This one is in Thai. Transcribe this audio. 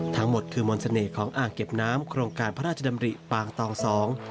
ทั้งหมดคือมนต์เสน่ห์ของอ่างเก็บน้ำโครงการพระราชดำริปางตองสอง